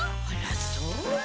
あらそう。